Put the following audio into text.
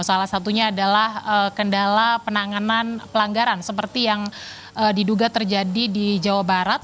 salah satunya adalah kendala penanganan pelanggaran seperti yang diduga terjadi di jawa barat